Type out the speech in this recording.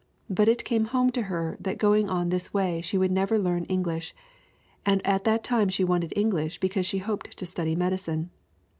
But it came home to her that going on this way she would never learn English, and at that time she wanted English because she hoped to study medicine.